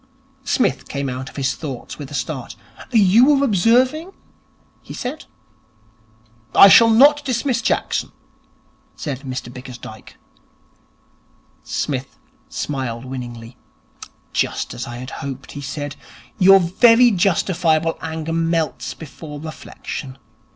Psmith came out of his thoughts with a start. 'You were observing ?' he said. 'I shall not dismiss Jackson,' said Mr Bickersdyke. Psmith smiled winningly. 'Just as I had hoped,' he said. 'Your very justifiable anger melts before reflection.